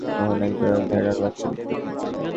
তখন একজোড়া ভেড়ার বাচ্চা বিক্রি হত।